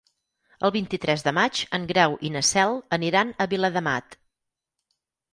El vint-i-tres de maig en Grau i na Cel aniran a Viladamat.